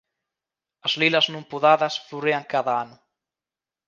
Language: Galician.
As lilas non podadas florean cada ano.